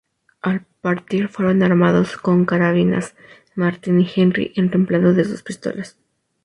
Al partir fueron armados con carabinas Martini-Henry en reemplazo de sus pistolas.